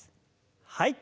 はい。